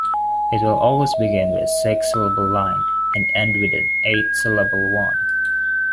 It will always begin with a six-syllable line and end with an eight-syllable one.